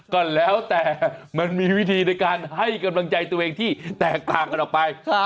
ก็แล้วแต่มันมีวิธีในการให้กำลังใจตัวเองที่แตกต่างกันออกไป